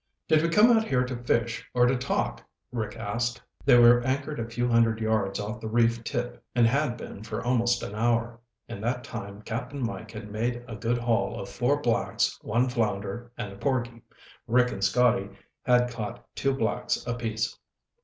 "Did we come out here to fish or to talk?" Rick asked. They were anchored a few hundred yards off the reef tip and had been for almost an hour. In that time Cap'n Mike had made a good haul of four blacks, one flounder and a porgy. Rick and Scotty had caught two blacks apiece.